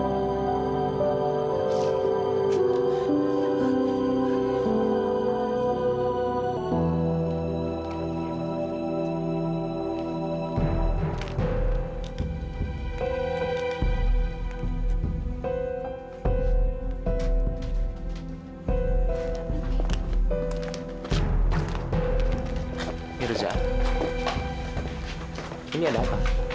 bisa kan mau murahin rijanya semua